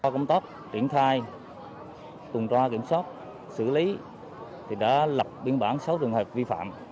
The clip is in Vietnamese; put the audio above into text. công tác triển thai tùn tra kiểm soát xử lý đã lập biên bản sáu trường hợp vi phạm